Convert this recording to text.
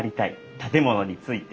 建物について。